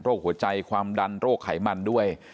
หัวใจความดันโรคไขมันด้วย